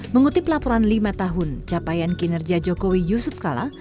mengutip laporan lima tahun capaian kinerja jokowi yusuf kala